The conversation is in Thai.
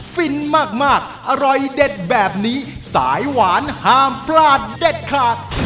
ฟินมากอร่อยเด็ดแบบนี้สายหวานห้ามพลาดเด็ดขาด